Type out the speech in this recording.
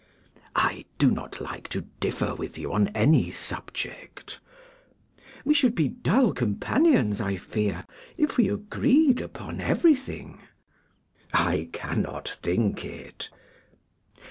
'I do not like to differ with you on any subject.' 'We should be dull companions, I fear, if we agreed upon everything.' 'I cannot think it.